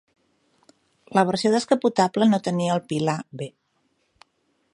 La versió descapotable no tenia el pilar B.